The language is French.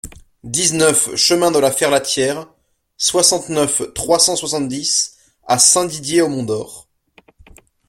dix-neuf chemin de la Ferlatière, soixante-neuf, trois cent soixante-dix à Saint-Didier-au-Mont-d'Or